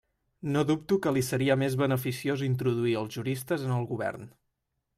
No dubto que li seria més beneficiós introduir els juristes en el govern.